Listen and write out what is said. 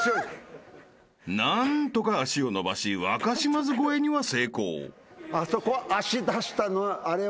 ［何とか足を伸ばし若島津超えには成功］